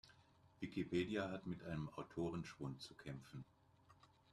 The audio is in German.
Wikipedia hat mit einem Autorenschwund zu kämpfen.